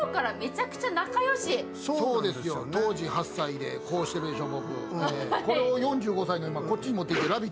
当時８歳で、こうしてるでしょ。